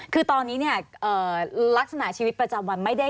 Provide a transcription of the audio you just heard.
คือตอนนี้เนี่ยลักษณะชีวิตประจำวันไม่ได้